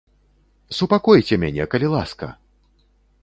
Супакойце мяне, калі ласка!